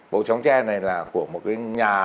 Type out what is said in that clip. bộ tróng tre này là của một cái nhà